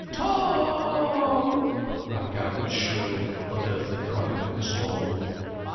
To—o—om!" rang out the shrill, unearthly cry of the small woman.